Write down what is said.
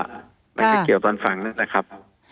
มันจะเกี่ยวตอนฝังนั้นล่ะครับ